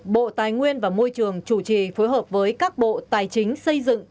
bộ tài nguyên và môi trường chủ trì phối hợp với các bộ tài chính xây dựng